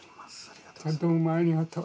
どうもありがとう。